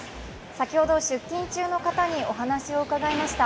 先ほど、出勤中の方にお話を伺いました。